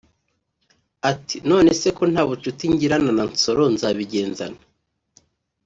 Ati" None se ko nta bushuti ngirana na Nsoro nzabigenza nte